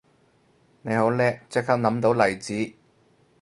你好叻即刻諗到例子